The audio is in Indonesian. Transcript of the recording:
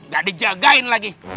gak dijagain lagi